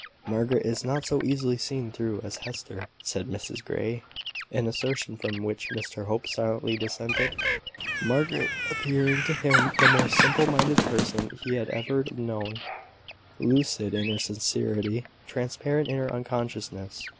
"Margaret is not so easily seen through as Hester," said Mrs Grey: an assertion from which Mr Hope silently dissented; Margaret appearing to him the most simple minded person he had ever known; lucid in her sincerity, transparent in her unconsciousness.